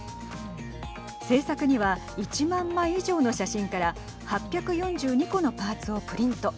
制作には１万枚以上の写真から８４２個のパーツをプリント。